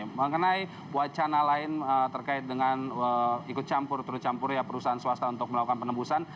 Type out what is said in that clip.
mengenai wacana lain terkait dengan ikut campur tercampur perusahaan swasta untuk melakukan penembusan